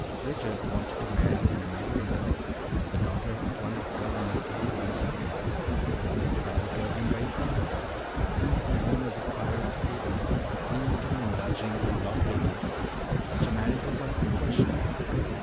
Richard wanted to marry an American girl, the daughter of one of Governor Claiborne's friends. Her father told him very pointedly that since the owners of Pirate's Haven seemed to be indulging in law breaking, such a marriage was out of the question.